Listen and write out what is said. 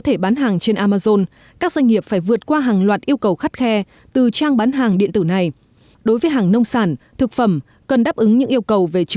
thì cái việc marketing online là không thể thiếu